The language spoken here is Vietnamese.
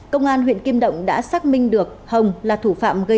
công an huyện kim động đã xác minh được hồng là thủ